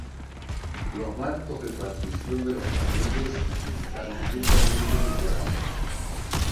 Los marcos de partición de los paneles están ricamente decorados.